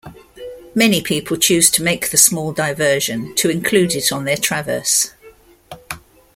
Many people choose to make the small diversion to include it on their traverse.